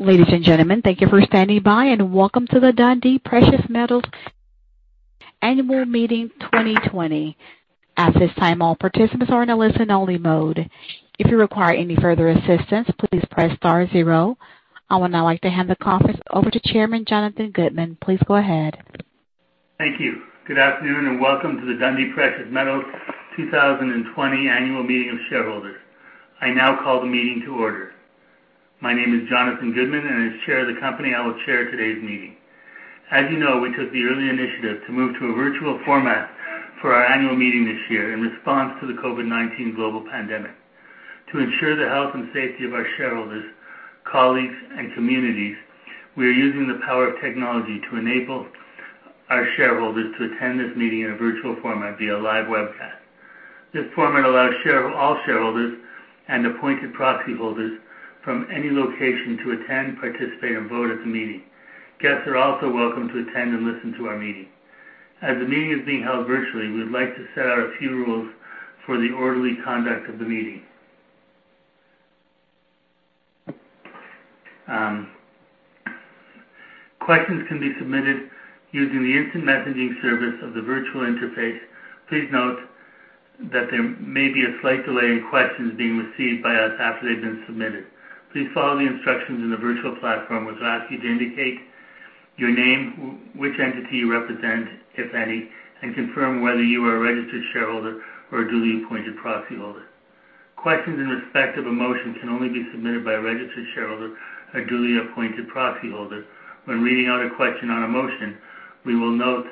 Ladies and gentlemen, thank you for standing by, and welcome to the Dundee Precious Metals Annual Meeting 2020. At this time, all participants are in a listen-only mode. If you require any further assistance, please press star zero. I would now like to hand the conference over to Chairman Jonathan Goodman. Please go ahead. Thank you. Good afternoon, and welcome to the Dundee Precious Metals 2020 Annual Meeting of Shareholders. I now call the meeting to order. My name is Jonathan Goodman, and as chair of the company, I will chair today's meeting. As you know, we took the early initiative to move to a virtual format for our annual meeting this year in response to the COVID-19 global pandemic. To ensure the health and safety of our shareholders, colleagues, and communities, we are using the power of technology to enable our shareholders to attend this meeting in a virtual format via live webcast. This format allows all shareholders and appointed proxy holders from any location to attend, participate, and vote at the meeting. Guests are also welcome to attend and listen to our meeting. As the meeting is being held virtually, we'd like to set out a few rules for the orderly conduct of the meeting. Questions can be submitted using the instant messaging service of the virtual interface. Please note that there may be a slight delay in questions being received by us after they've been submitted. Please follow the instructions in the virtual platform, which will ask you to indicate your name, which entity you represent, if any, and confirm whether you are a registered shareholder or a duly appointed proxy holder. Questions in respect of a motion can only be submitted by a registered shareholder or duly appointed proxy holder. When reading out a question on a motion, we will note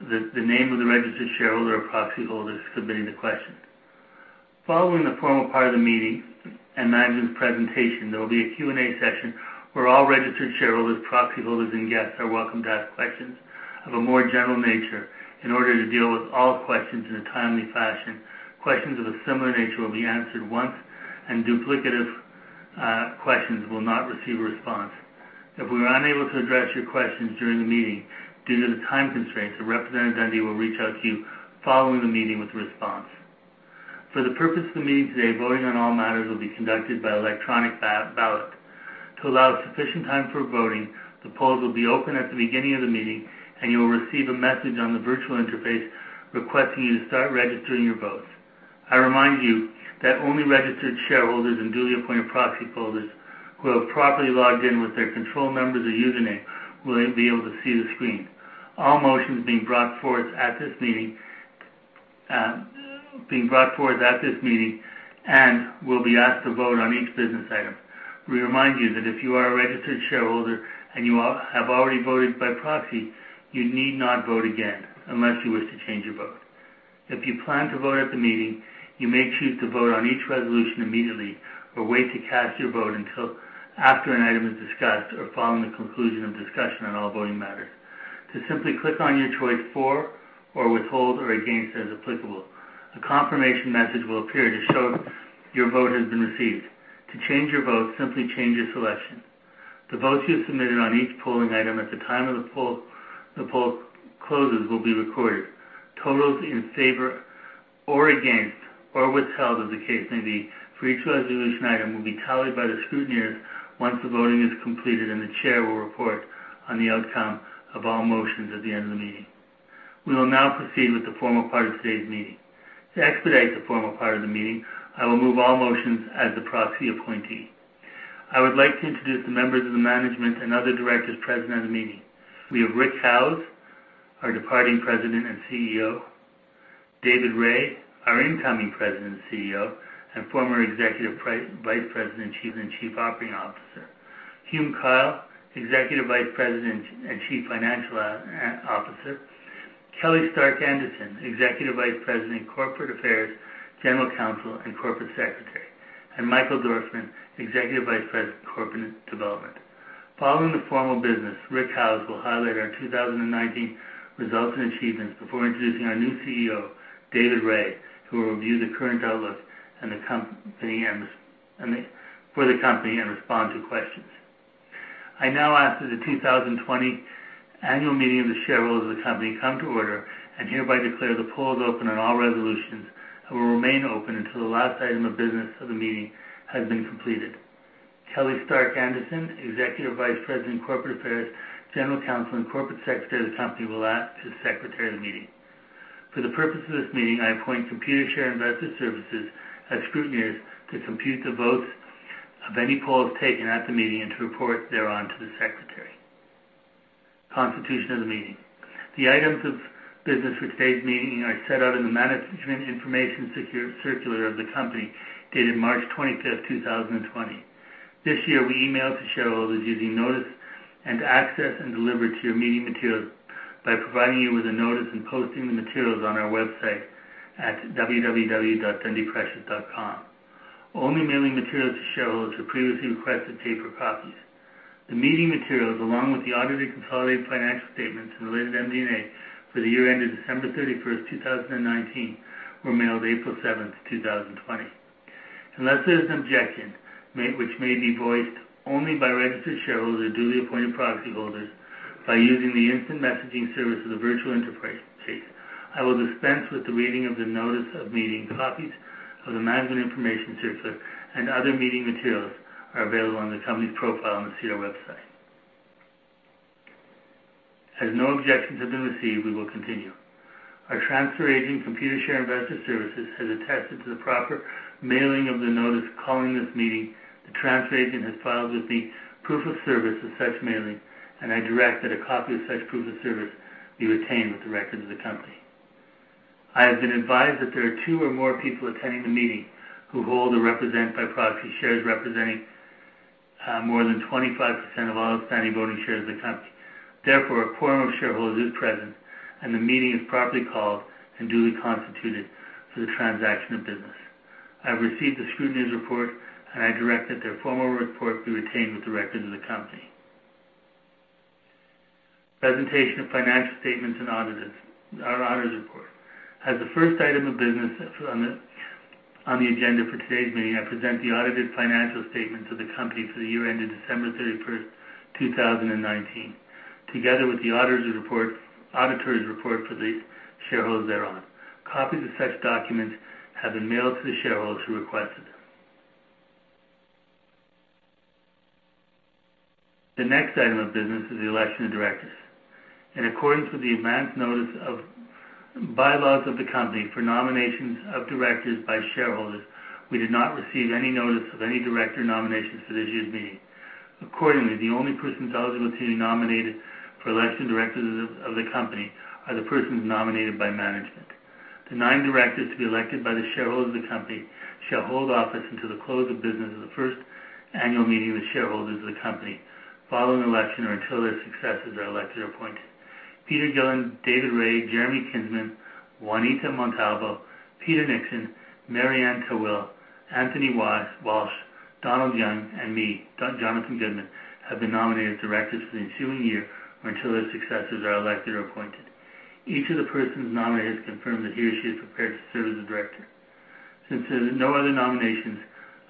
the name of the registered shareholder or proxy holder submitting the question. Following the formal part of the meeting and management's presentation, there will be a Q&A session where all registered shareholders, proxy holders, and guests are welcome to ask questions of a more general nature. In order to deal with all questions in a timely fashion, questions of a similar nature will be answered once, and duplicative questions will not receive a response. If we are unable to address your questions during the meeting due to the time constraints, a representative of Dundee will reach out to you following the meeting with a response. For the purpose of the meeting today, voting on all matters will be conducted by electronic ballot. To allow sufficient time for voting, the polls will be open at the beginning of the meeting, and you will receive a message on the virtual interface requesting you to start registering your votes. I remind you that only registered shareholders and duly appointed proxy holders who have properly logged in with their control numbers or username will be able to see the screen. All motions being brought forth at this meeting and will be asked to vote on each business item. We remind you that if you are a registered shareholder and you have already voted by proxy, you need not vote again unless you wish to change your vote. If you plan to vote at the meeting, you may choose to vote on each resolution immediately or wait to cast your vote until after an item is discussed or following the conclusion of discussion on all voting matters. To simply click on your choice for or withhold or against as applicable. A confirmation message will appear to show your vote has been received. To change your vote, simply change your selection. The votes you've submitted on each polling item at the time of the poll closes will be recorded. Totals in favor or against or withheld, as the case may be, for each resolution item will be tallied by the scrutineers once the voting is completed, and the chair will report on the outcome of all motions at the end of the meeting. We will now proceed with the formal part of today's meeting. To expedite the formal part of the meeting, I will move all motions as the proxy appointee. I would like to introduce the members of the management and other directors present at the meeting. We have Rick Howes, our Departing President and CEO, David Rae, our Incoming President and CEO and former Executive Vice President and Chief Operating Officer, Hume Kyle, Executive Vice President and Chief Financial Officer, Kelly Stark-Anderson, Executive Vice President, Corporate Affairs, General Counsel, and Corporate Secretary, and Michael Dorfman, Executive Vice President, Corporate Development. Following the formal business, Rick Howes will highlight our 2019 results and achievements before introducing our new CEO, David Rae, who will review the current outlook for the company and respond to questions. I now ask that the 2020 Annual Meeting of the Shareholders of the company come to order and hereby declare the polls open on all resolutions and will remain open until the last item of business of the meeting has been completed. Kelly Stark-Anderson, Executive Vice President, Corporate Affairs, General Counsel, and Corporate Secretary of the company will act as secretary of the meeting. For the purpose of this meeting, I appoint Computershare Investor Services as scrutineers to compute the votes of any polls taken at the meeting and to report thereon to the secretary. Constitution of the meeting. The items of business for today's meeting are set out in the Management Information Circular of the company, dated March 25, 2020. This year, we emailed to shareholders using notice and access and delivered to your meeting materials by providing you with a notice and posting the materials on our website at www.dundeeprecious.com. Only mailing materials to shareholders who previously requested paper copies. The meeting materials, along with the audited consolidated financial statements and related MD&A for the year ended December 31st, 2019, were mailed April 7th, 2020. Unless there's an objection, which may be voiced only by registered shareholders or duly appointed proxy holders by using the instant messaging service of the virtual interface. I will dispense with the reading of the notice of meeting copies of the management information circular and other meeting materials are available on the company's profile on the SEDAR website. As no objections have been received, we will continue. Our transfer agent, Computershare Investor Services, has attested to the proper mailing of the notice calling this meeting. The transfer agent has filed with the proof of service of such mailing, and I direct that a copy of such proof of service be retained with the records of the company. I have been advised that there are two or more people attending the meeting who hold or represent by proxy shares representing more than 25% of all outstanding voting shares of the company. Therefore, a quorum of shareholders is present, and the meeting is properly called and duly constituted for the transaction of business. I have received the scrutineer's report, and I direct that their formal report be retained with the records of the company. Presentation of financial statements and our auditor's report. As the first item of business on the agenda for today's meeting, I present the audited financial statements of the company for the year ended December 31st, 2019, together with the auditor's report for the shareholders thereon. Copies of such documents have been mailed to the shareholders who requested them. The next item of business is the election of directors. In accordance with the advanced notice of bylaws of the company for nominations of directors by shareholders, we did not receive any notice of any director nominations for this year's meeting. Accordingly, the only persons eligible to be nominated for election directors of the company are the persons nominated by management. The nine directors to be elected by the shareholders of the company shall hold office until the close of business of the first annual meeting with shareholders of the company following the election or until their successors are elected or appointed. Peter Gillin, David Rae, Jeremy Kinsman, Juanita Montalvo, Peter Nixon, Marie-Anne Tawil, Anthony Walsh, Donald Young, and me, Jonathan Goodman, have been nominated as directors for the ensuing year or until their successors are elected or appointed. Each of the persons nominated has confirmed that he or she is prepared to serve as a director. There's no other nominations,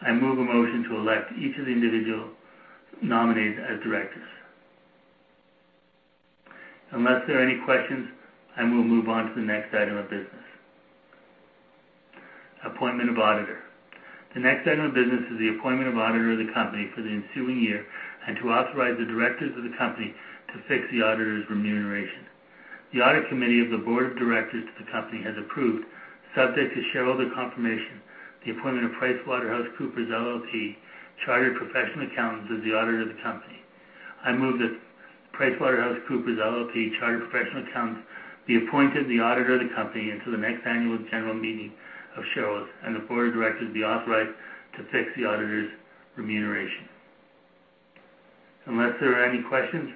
I move a motion to elect each of the individual nominees as directors. Unless there are any questions, I will move on to the next item of business. Appointment of auditor. The next item of business is the appointment of auditor of the company for the ensuing year and to authorize the directors of the company to fix the auditor's remuneration. The audit committee of the board of directors to the company has approved, subject to shareholder confirmation, the appointment of PricewaterhouseCoopers LLP, chartered professional accountants as the auditor of the company. I move that PricewaterhouseCoopers LLP, chartered professional accountants, be appointed the auditor of the company until the next Annual General Meeting of Shareholders and the board of directors be authorized to fix the auditor's remuneration. Unless there are any questions,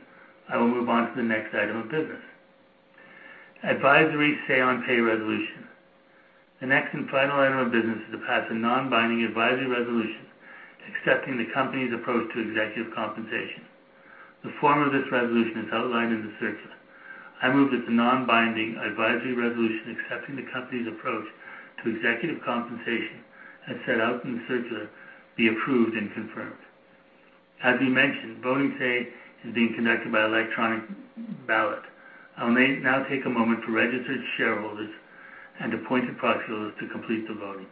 I will move on to the next item of business. Advisory say on pay resolution. The next and final item of business is to pass a non-binding advisory resolution accepting the company's approach to executive compensation. The form of this resolution is outlined in the circular. I move that the non-binding advisory resolution accepting the company's approach to executive compensation as set out in the circular be approved and confirmed. As we mentioned, voting today is being conducted by electronic ballot. I'll now take a moment for registered shareholders and appointed proxy holders to complete the voting.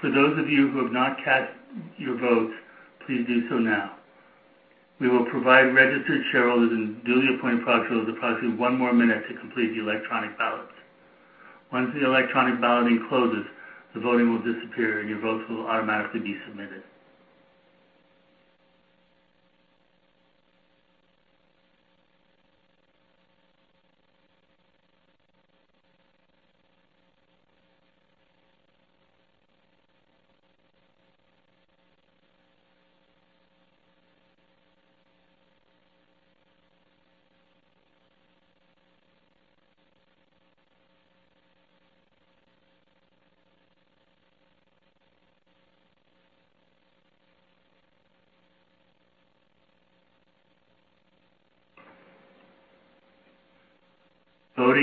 For those of you who have not cast your votes, please do so now. We will provide registered shareholders and duly appointed proxy holders approximately one more minute to complete the electronic ballots. Once the electronic balloting closes, the voting will disappear, and your votes will automatically be submitted.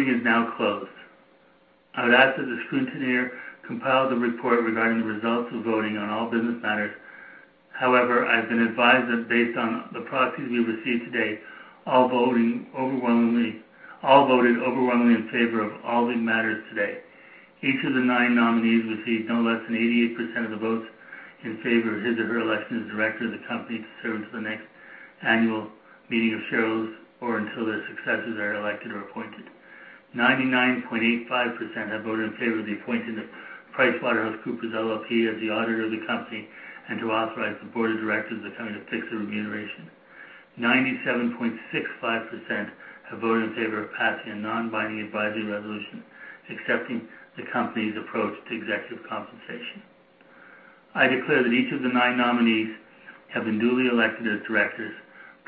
Voting is now closed. I would ask that the scrutineer compile the report regarding the results of voting on all business matters. However, I've been advised that based on the proxies we received today, all voted overwhelmingly in favor of all the matters today. Each of the nine nominees received no less than 88% of the votes in favor of his or her election as director of the company to serve until the next annual meeting of shareholders or until their successors are elected or appointed. 99.85% have voted in favor of the appointment of PricewaterhouseCoopers LLP as the auditor of the company, and to authorize the Board of Directors of the company to fix their remuneration. 97.65% have voted in favor of passing a non-binding advisory resolution accepting the company's approach to executive compensation. I declare that each of the nine nominees have been duly elected as directors.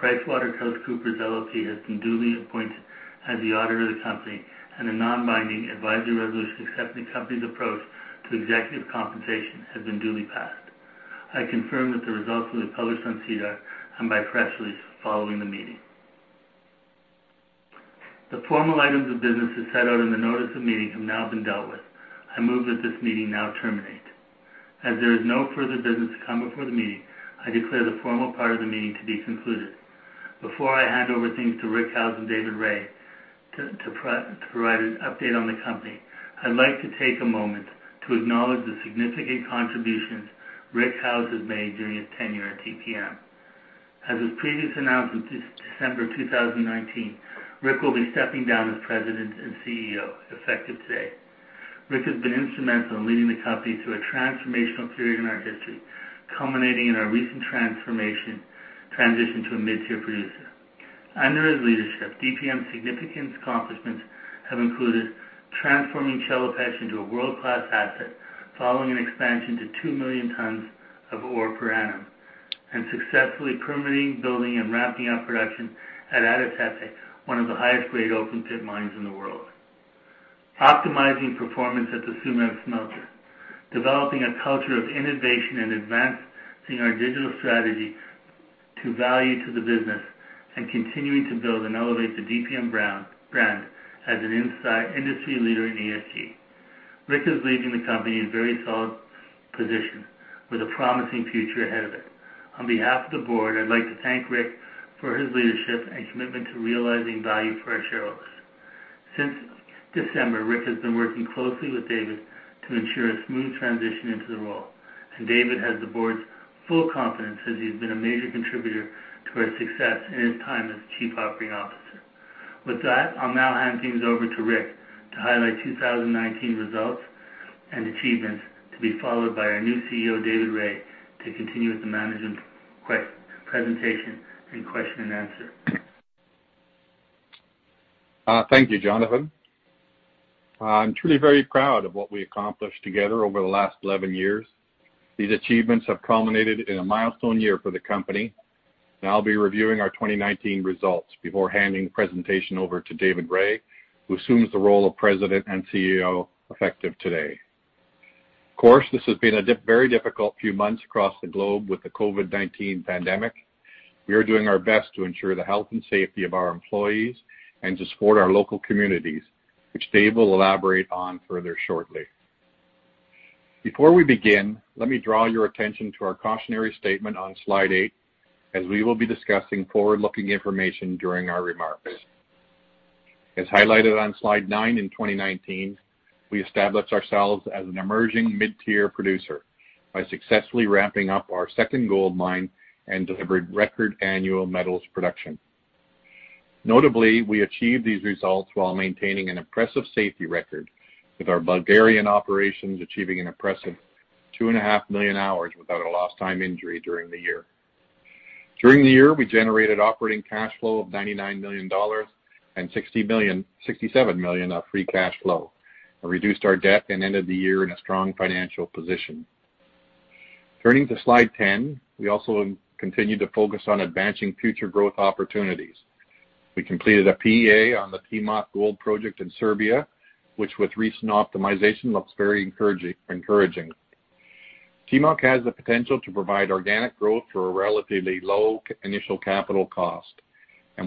PricewaterhouseCoopers LLP has been duly appointed as the auditor of the company and a non-binding advisory resolution accepting the company's approach to executive compensation has been duly passed. I confirm that the results will be published on SEDAR and by press release following the meeting. The formal items of business as set out in the notice of meeting have now been dealt with. I move that this meeting now terminate. There is no further business to come before the meeting, I declare the formal part of the meeting to be concluded. Before I hand over things to Rick Howes and David Rae to provide an update on the company, I'd like to take a moment to acknowledge the significant contributions Rick Howes has made during his tenure at DPM. As was previously announced in December 2019, Rick will be stepping down as President and CEO, effective today. Rick has been instrumental in leading the company through a transformational period in our history, culminating in our recent transition to a mid-tier producer. Under his leadership, DPM's significant accomplishments have included transforming Chelopech into a world-class asset, following an expansion to 2 million tons of ore per annum, and successfully permitting, building, and ramping up production at Ada Tepe, one of the highest grade open-pit mines in the world. Optimizing performance at the Tsumeb smelter, developing a culture of innovation, and advancing our digital strategy to value to the business, and continuing to build and elevate the DPM brand as an industry leader in ESG. Rick is leaving the company in very solid position with a promising future ahead of it. On behalf of the board, I'd like to thank Rick for his leadership and commitment to realizing value for our shareholders. Since December, Rick has been working closely with David to ensure a smooth transition into the role, and David has the board's full confidence as he's been a major contributor to our success in his time as Chief Operating Officer. With that, I'll now hand things over to Rick to highlight 2019 results and achievements, to be followed by our new CEO, David Rae, to continue with the management presentation and question and answer. Thank you, Jonathan. I'm truly very proud of what we accomplished together over the last 11 years. These achievements have culminated in a milestone year for the company. Now I'll be reviewing our 2019 results before handing presentation over to David Rae, who assumes the role of President and CEO effective today. Of course, this has been a very difficult few months across the globe with the COVID-19 pandemic. We are doing our best to ensure the health and safety of our employees and to support our local communities, which Dave will elaborate on further shortly. Before we begin, let me draw your attention to our cautionary statement on slide eight, as we will be discussing forward-looking information during our remarks. As highlighted on slide nine, in 2019, we established ourselves as an emerging mid-tier producer by successfully ramping up our second gold mine and delivered record annual metals production. Notably, we achieved these results while maintaining an impressive safety record, with our Bulgarian operations achieving an impressive 2.5 million hours without a lost time injury during the year. During the year, we generated operating cash flow of $99 million and $67 million of free cash flow. Reduced our debt and ended the year in a strong financial position. Turning to slide 10, we also continued to focus on advancing future growth opportunities. We completed a PEA on the Timok Gold project in Serbia, which with recent optimization looks very encouraging. Timok has the potential to provide organic growth for a relatively low initial capital cost.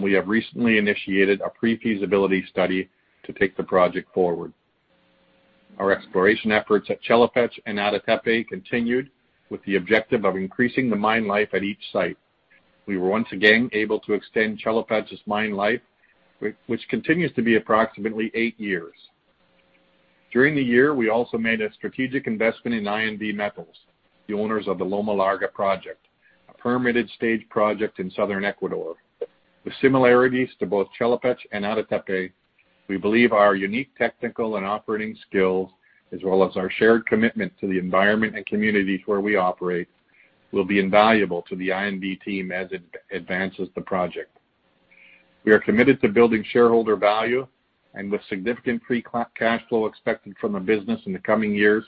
We have recently initiated a pre-feasibility study to take the project forward. Our exploration efforts at Chelopech and Ada Tepe continued with the objective of increasing the mine life at each site. We were once again able to extend Chelopech's mine life, which continues to be approximately eight years. During the year, we also made a strategic investment in INV Metals, the owners of the Loma Larga project, a permitted stage project in southern Ecuador. With similarities to both Chelopech and Ada Tepe, we believe our unique technical and operating skills, as well as our shared commitment to the environment and communities where we operate, will be invaluable to the INV team as it advances the project. We are committed to building shareholder value, and with significant free cash flow expected from the business in the coming years,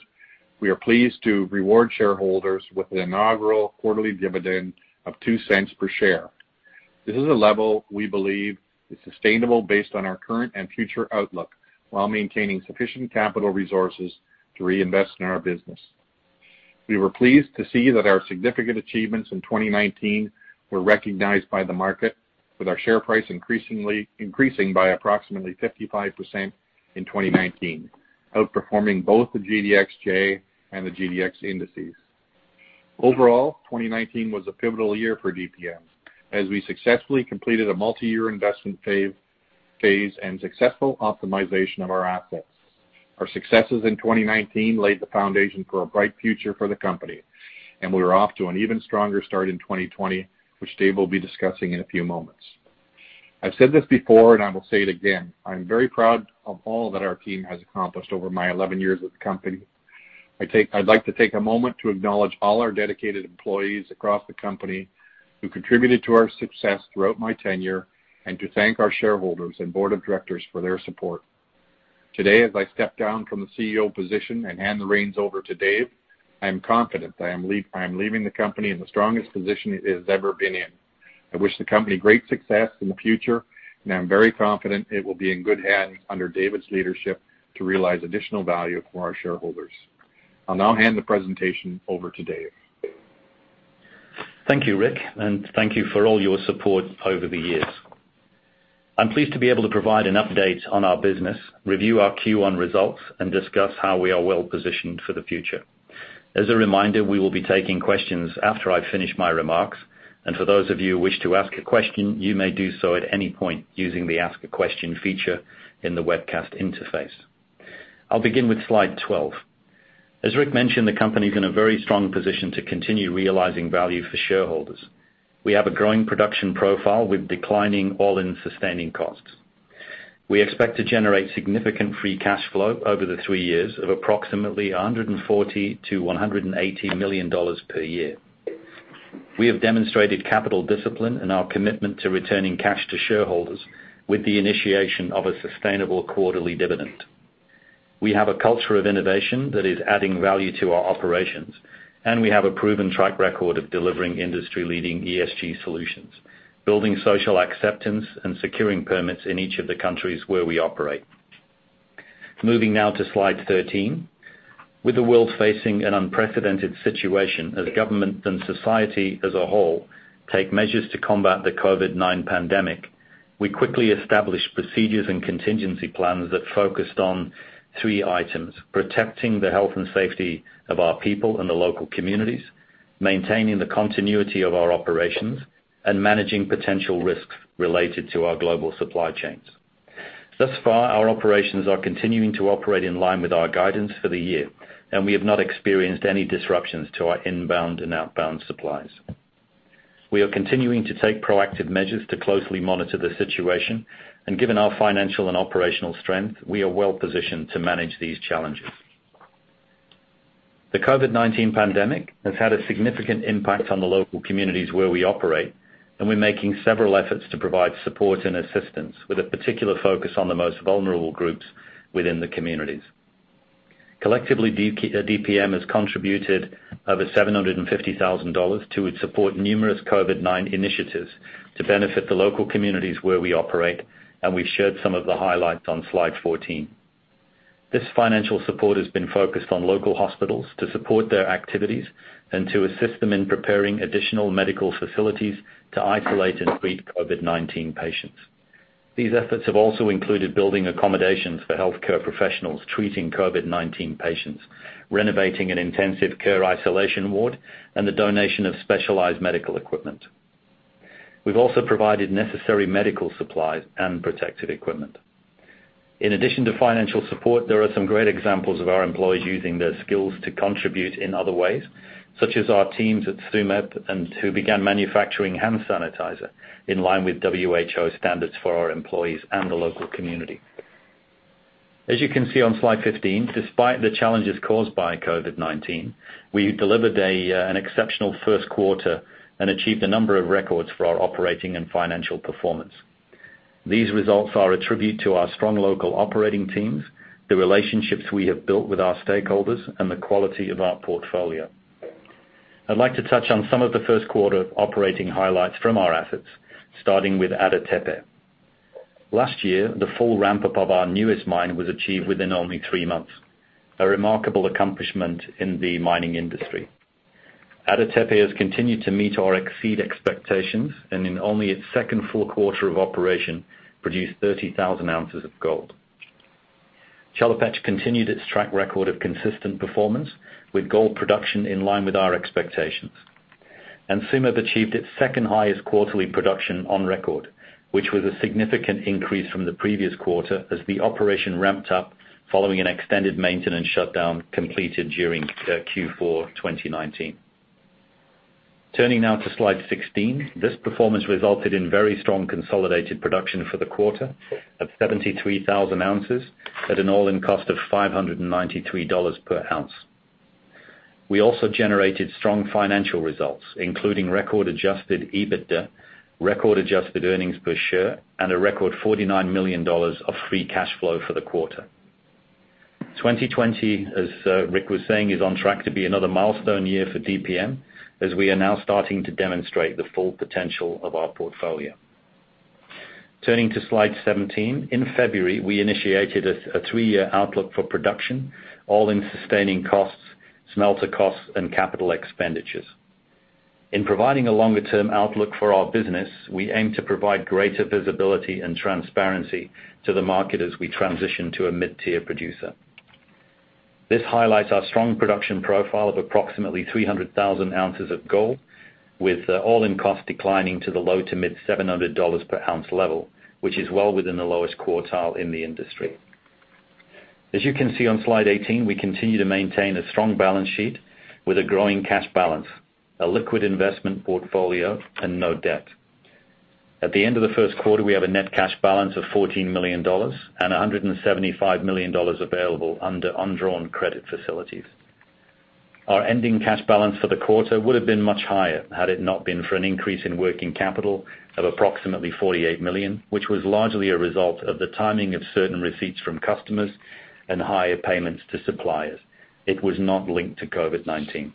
we are pleased to reward shareholders with an inaugural quarterly dividend of $0.02 per share. This is a level we believe is sustainable based on our current and future outlook, while maintaining sufficient capital resources to reinvest in our business. We were pleased to see that our significant achievements in 2019 were recognized by the market, with our share price increasing by approximately 55% in 2019, outperforming both the GDXJ and the GDX indices. Overall, 2019 was a pivotal year for DPM as we successfully completed a multi-year investment phase and successful optimization of our assets. Our successes in 2019 laid the foundation for a bright future for the company, and we are off to an even stronger start in 2020, which Dave will be discussing in a few moments. I've said this before, and I will say it again, I'm very proud of all that our team has accomplished over my 11 years with the company. I'd like to take a moment to acknowledge all our dedicated employees across the company who contributed to our success throughout my tenure, and to thank our shareholders and board of directors for their support. Today, as I step down from the CEO position and hand the reins over to Dave, I am confident I am leaving the company in the strongest position it has ever been in. I wish the company great success in the future, and I'm very confident it will be in good hands under David's leadership to realize additional value for our shareholders. I'll now hand the presentation over to David. Thank you, Rick, and thank you for all your support over the years. I'm pleased to be able to provide an update on our business, review our Q1 results, and discuss how we are well-positioned for the future. As a reminder, we will be taking questions after I finish my remarks, and for those of you who wish to ask a question, you may do so at any point using the Ask a Question feature in the webcast interface. I'll begin with Slide 12. As Rick mentioned, the company is in a very strong position to continue realizing value for shareholders. We have a growing production profile with declining all-in sustaining costs. We expect to generate significant free cash flow over the three years of approximately $140 million-$180 million per year. We have demonstrated capital discipline and our commitment to returning cash to shareholders with the initiation of a sustainable quarterly dividend. We have a culture of innovation that is adding value to our operations, and we have a proven track record of delivering industry-leading ESG solutions, building social acceptance, and securing permits in each of the countries where we operate. Moving now to Slide 13. With the world facing an unprecedented situation as government and society as a whole take measures to combat the COVID-19 pandemic, we quickly established procedures and contingency plans that focused on three items: protecting the health and safety of our people and the local communities, maintaining the continuity of our operations, and managing potential risks related to our global supply chains. Thus far, our operations are continuing to operate in line with our guidance for the year, and we have not experienced any disruptions to our inbound and outbound supplies. We are continuing to take proactive measures to closely monitor the situation, and given our financial and operational strength, we are well-positioned to manage these challenges. The COVID-19 pandemic has had a significant impact on the local communities where we operate, and we're making several efforts to provide support and assistance with a particular focus on the most vulnerable groups within the communities. Collectively, DPM has contributed over $750,000 to support numerous COVID-19 initiatives to benefit the local communities where we operate, and we shared some of the highlights on Slide 14. This financial support has been focused on local hospitals to support their activities and to assist them in preparing additional medical facilities to isolate and treat COVID-19 patients. These efforts have also included building accommodations for healthcare professionals treating COVID-19 patients, renovating an intensive care isolation ward, and the donation of specialized medical equipment. We've also provided necessary medical supplies and protective equipment. In addition to financial support, there are some great examples of our employees using their skills to contribute in other ways, such as our teams at Tsumeb who began manufacturing hand sanitizer in line with WHO standards for our employees and the local community. As you can see on Slide 15, despite the challenges caused by COVID-19, we delivered an exceptional first quarter and achieved a number of records for our operating and financial performance. These results are a tribute to our strong local operating teams, the relationships we have built with our stakeholders, and the quality of our portfolio. I'd like to touch on some of the first quarter operating highlights from our assets, starting with Ada Tepe. Last year, the full ramp-up of our newest mine was achieved within only three months, a remarkable accomplishment in the mining industry. Ada Tepe has continued to meet or exceed expectations, and in only its second full quarter of operation, produced 30,000 ounces of gold. Chelopech continued its track record of consistent performance with gold production in line with our expectations. Tsumeb achieved its second highest quarterly production on record, which was a significant increase from the previous quarter as the operation ramped up following an extended maintenance shutdown completed during Q4 2019. Turning now to Slide 16. This performance resulted in very strong consolidated production for the quarter of 73,000 ounces at an all-in cost of $593 per ounce. We also generated strong financial results, including record adjusted EBITDA, record adjusted earnings per share, and a record $49 million of free cash flow for the quarter. 2020, as Rick was saying, is on track to be another milestone year for DPM as we are now starting to demonstrate the full potential of our portfolio. Turning to Slide 17. In February, we initiated a three-year outlook for production, all-in sustaining costs, smelter costs, and capital expenditures. In providing a longer-term outlook for our business, we aim to provide greater visibility and transparency to the market as we transition to a mid-tier producer. This highlights our strong production profile of approximately 300,000 ounces of gold, with all-in costs declining to the low to mid $700 per ounce level, which is well within the lowest quartile in the industry. As you can see on slide 18, we continue to maintain a strong balance sheet with a growing cash balance, a liquid investment portfolio, and no debt. At the end of the first quarter, we have a net cash balance of $14 million and $175 million available under undrawn credit facilities. Our ending cash balance for the quarter would have been much higher had it not been for an increase in working capital of approximately $48 million, which was largely a result of the timing of certain receipts from customers and higher payments to suppliers. It was not linked to COVID-19.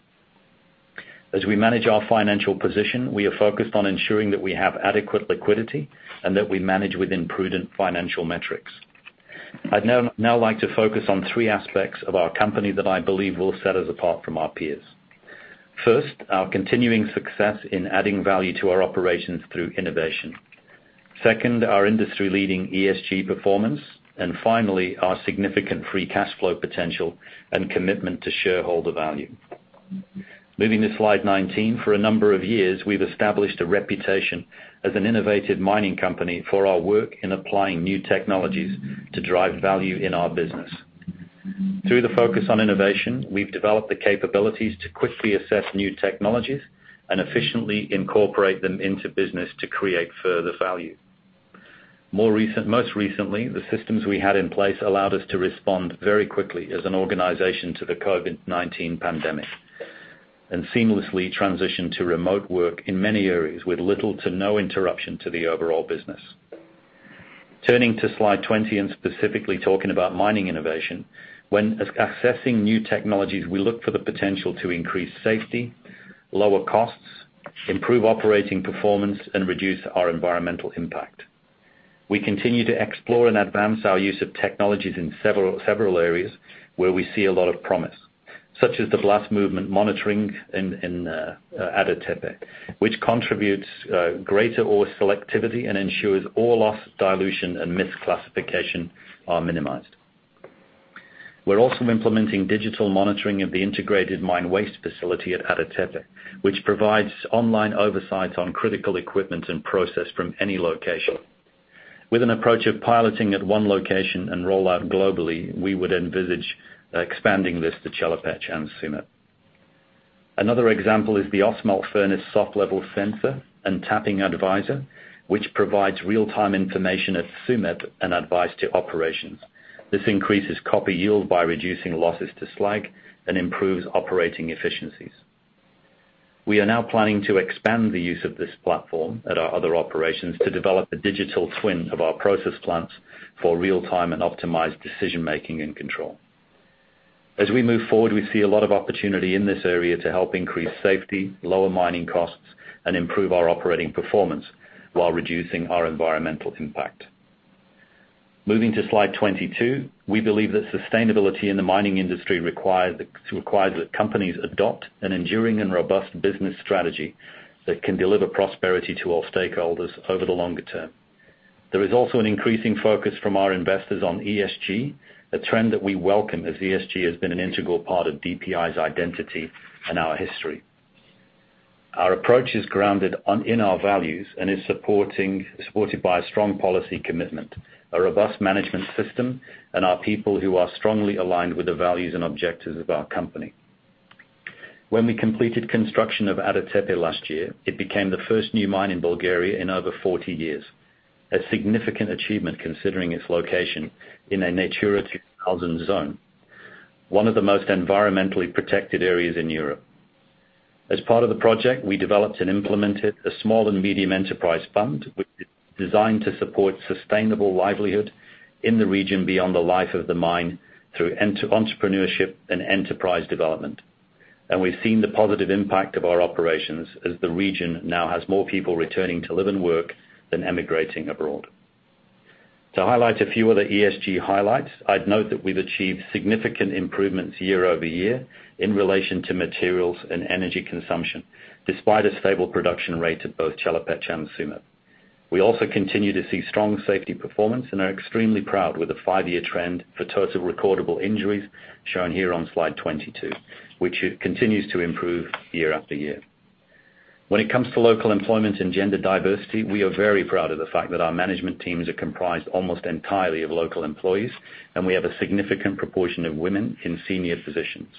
As we manage our financial position, we are focused on ensuring that we have adequate liquidity and that we manage within prudent financial metrics. I'd now like to focus on three aspects of our company that I believe will set us apart from our peers. First, our continuing success in adding value to our operations through innovation. Second, our industry-leading ESG performance. Finally, our significant free cash flow potential and commitment to shareholder value. Moving to slide 19. For a number of years, we've established a reputation as an innovative mining company for our work in applying new technologies to drive value in our business. Through the focus on innovation, we've developed the capabilities to quickly assess new technologies and efficiently incorporate them into business to create further value. Most recently, the systems we had in place allowed us to respond very quickly as an organization to the COVID-19 pandemic and seamlessly transition to remote work in many areas with little to no interruption to the overall business. Turning to slide 20 and specifically talking about mining innovation. When accessing new technologies, we look for the potential to increase safety, lower costs, improve operating performance, and reduce our environmental impact. We continue to explore and advance our use of technologies in several areas where we see a lot of promise, such as the blast movement monitoring in Ada Tepe, which contributes greater ore selectivity and ensures ore loss, dilution, and misclassification are minimized. We're also implementing digital monitoring of the integrated mine waste facility at Ada Tepe, which provides online oversight on critical equipment and process from any location. With an approach of piloting at one location and rollout globally, we would envisage expanding this to Chelopech and Tsumeb. Another example is the Ausmelt furnace soft level sensor and tapping advisor, which provides real-time information at Tsumeb and advice to operations. This increases copper yield by reducing losses to slag and improves operating efficiencies. We are now planning to expand the use of this platform at our other operations to develop a digital twin of our process plants for real-time and optimized decision-making and control. As we move forward, we see a lot of opportunity in this area to help increase safety, lower mining costs, and improve our operating performance while reducing our environmental impact. Moving to slide 22. We believe that sustainability in the mining industry requires that companies adopt an enduring and robust business strategy that can deliver prosperity to all stakeholders over the longer term. There is also an increasing focus from our investors on ESG, a trend that we welcome as ESG has been an integral part of DPM's identity and our history. Our approach is grounded in our values and is supported by a strong policy commitment, a robust management system, and our people who are strongly aligned with the values and objectives of our company. When we completed construction of Ada Tepe last year, it became the first new mine in Bulgaria in over 40 years, a significant achievement considering its location in a Natura 2000 zone, one of the most environmentally protected areas in Europe. As part of the project, we developed and implemented a small and medium enterprise fund, which is designed to support sustainable livelihood in the region beyond the life of the mine through entrepreneurship and enterprise development. We've seen the positive impact of our operations as the region now has more people returning to live and work than emigrating abroad. To highlight a few other ESG highlights, I'd note that we've achieved significant improvements year-over-year in relation to materials and energy consumption, despite a stable production rate at both Chelopech and Tsumeb. We also continue to see strong safety performance and are extremely proud with the five-year trend for total recordable injuries shown here on slide 22, which continues to improve year-after-year. When it comes to local employment and gender diversity, we are very proud of the fact that our management teams are comprised almost entirely of local employees, and we have a significant proportion of women in senior positions.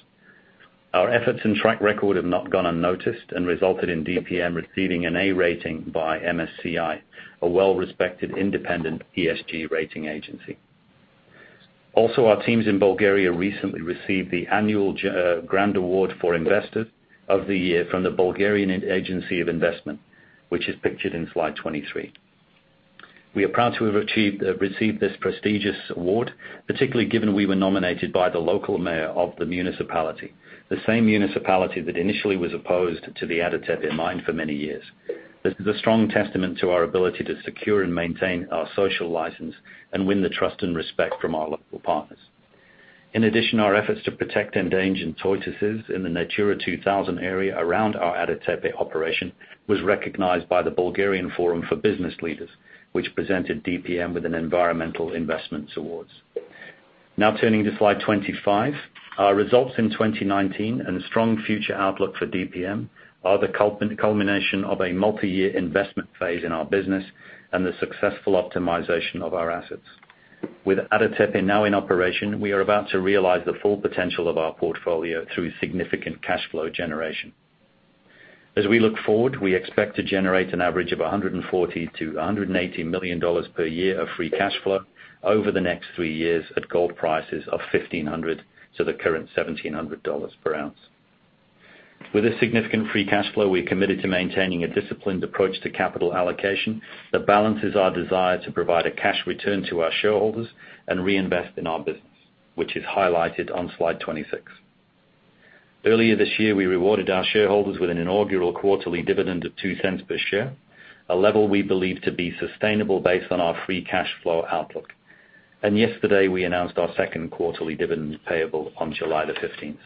Our efforts and track record have not gone unnoticed and resulted in DPM receiving an A rating by MSCI, a well-respected independent ESG rating agency. Our teams in Bulgaria recently received the annual grand award for Investor of the Year from the InvestBulgaria Agency, which is pictured in slide 23. We are proud to have received this prestigious award, particularly given we were nominated by the local mayor of the municipality, the same municipality that initially was opposed to the Ada Tepe mine for many years. This is a strong testament to our ability to secure and maintain our social license and win the trust and respect from our local partners. In addition, our efforts to protect endangered tortoises in the Natura 2000 area around our Ada Tepe operation was recognized by the Bulgarian Business Leaders Forum, which presented DPM with an Environmental Investment Awards. Turning to slide 25. Our results in 2019 and strong future outlook for DPM are the culmination of a multi-year investment phase in our business and the successful optimization of our assets. With Ada Tepe now in operation, we are about to realize the full potential of our portfolio through significant cash flow generation. As we look forward, we expect to generate an average of $140 million-$180 million per year of free cash flow over the next three years at gold prices of $1,500-$1,700 per ounce. With a significant free cash flow, we're committed to maintaining a disciplined approach to capital allocation that balances our desire to provide a cash return to our shareholders, and reinvest in our business, which is highlighted on slide 26. Earlier this year, we rewarded our shareholders with an inaugural quarterly dividend of $0.02 per share, a level we believe to be sustainable based on our free cash flow outlook. Yesterday, we announced our second quarterly dividend payable on July 15th.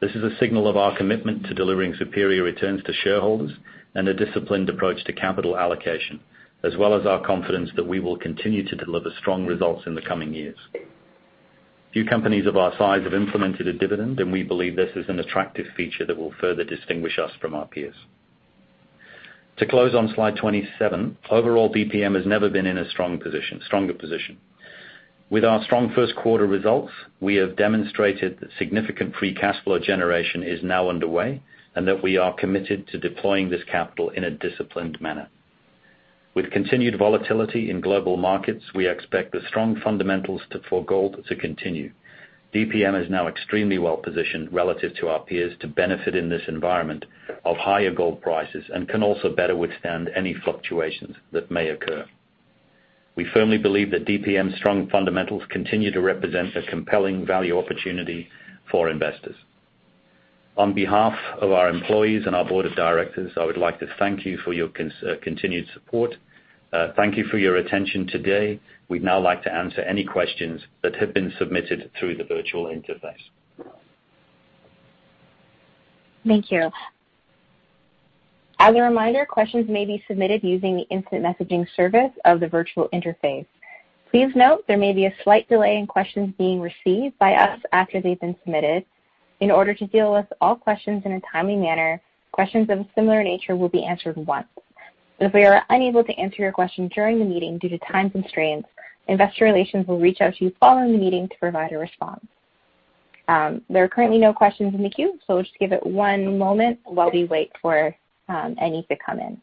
This is a signal of our commitment to delivering superior returns to shareholders and a disciplined approach to capital allocation, as well as our confidence that we will continue to deliver strong results in the coming years. Few companies of our size have implemented a dividend. We believe this is an attractive feature that will further distinguish us from our peers. To close on slide 27, overall, DPM has never been in a stronger position. With our strong first quarter results, we have demonstrated that significant free cash flow generation is now underway. We are committed to deploying this capital in a disciplined manner. With continued volatility in global markets, we expect the strong fundamentals for gold to continue. DPM is now extremely well-positioned relative to our peers to benefit in this environment of higher gold prices and can also better withstand any fluctuations that may occur. We firmly believe that DPM's strong fundamentals continue to represent a compelling value opportunity for investors. On behalf of our employees and our board of directors, I would like to thank you for your continued support. Thank you for your attention today. We'd now like to answer any questions that have been submitted through the virtual interface. Thank you. As a reminder, questions may be submitted using the instant messaging service of the virtual interface. Please note, there may be a slight delay in questions being received by us after they've been submitted. In order to deal with all questions in a timely manner, questions of a similar nature will be answered once. If we are unable to answer your question during the meeting due to time constraints, investor relations will reach out to you following the meeting to provide a response. There are currently no questions in the queue, so just give it one moment while we wait for any to come in.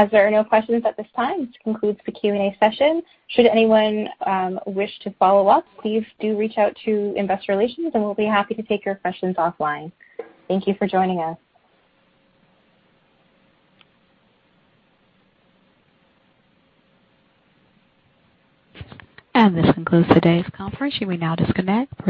As there are no questions at this time, this concludes the Q&A session. Should anyone wish to follow up, please do reach out to investor relations and we'll be happy to take your questions offline. Thank you for joining us. This concludes today's conference. You may now disconnect.